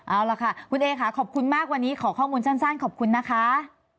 เอาล่ะค่ะคุณเอค่ะขอบคุณมากวันนี้ขอข้อมูลสั้นขอบคุณนะคะ